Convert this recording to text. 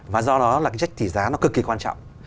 và do đó là trách tỷ giá nó cực kỳ quan trọng